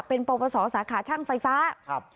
เป็นปปศสาขาช่างไฟฟ้าครับ